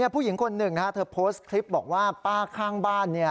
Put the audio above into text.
ผู้หญิงคนหนึ่งเธอโพสต์คลิปบอกว่าป้าข้างบ้าน